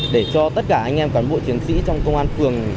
để cho tất cả anh em cán bộ chiến sĩ trong công an phường